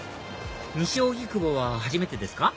西荻窪は初めてですか？